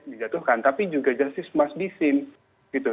dijatuhkan tapi juga jasis masdisin gitu